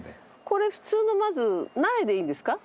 これ普通のまず苗でいいんですか？